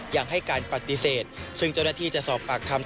ยังให้การปฏิเสธซึ่งเจ้าหน้าที่จะสอบปากคำ